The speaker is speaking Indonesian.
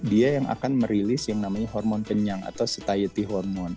dia yang akan merilis yang namanya hormon kenyang atau society hormon